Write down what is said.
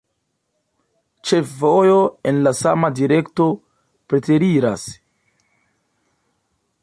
Ĉefvojo en la sama direkto preteriras.